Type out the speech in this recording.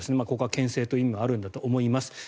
ここはけん制という意味もあるんだと思います。